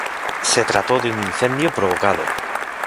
Se trató de un incendio provocado.